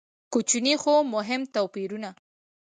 کوچني خو مهم توپیرونه.